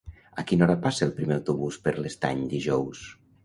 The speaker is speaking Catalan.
A quina hora passa el primer autobús per l'Estany dijous?